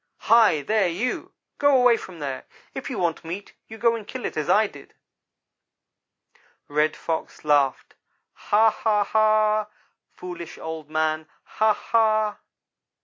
'Hi, there, you go away from there ! If you want meat you go and kill it, as I did.' "Red Fox laughed 'Ha! Ha! Ha! foolish Old man Ha! ha!'